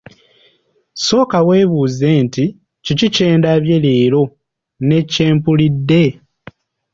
Sooka weebuuze nti: Kiki kye ndabye leero ne kye mpulidde?